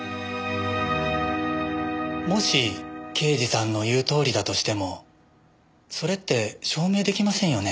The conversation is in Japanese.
もし刑事さんの言うとおりだとしてもそれって証明出来ませんよね？